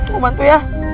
lo bantu ya